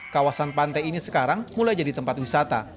kawasan pantai ini sekarang mulai jadi tempat wisata